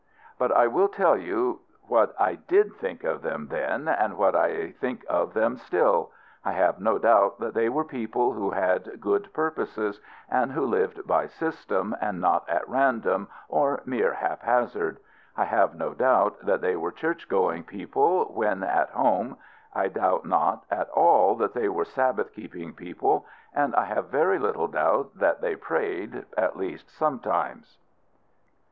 But I will tell you what I did think of them then, and what I think of them still. I have no doubt that they were people who had good purposes, and who lived by system, and not at random or mere hap hazard: I have no doubt that they were church going people when at home: I doubt not at all that they were Sabbath keeping people; and I have very little doubt that they prayed, at least sometimes.